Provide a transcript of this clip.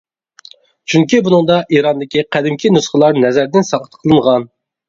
چۈنكى بۇنىڭدا ئىراندىكى قەدىمكى نۇسخىلار نەزەردىن ساقىت قىلىنغان.